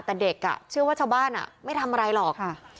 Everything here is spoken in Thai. แต่เด็กเชื่อว่าชาวบ้านไม่ทำอะไรหรอกค่ะ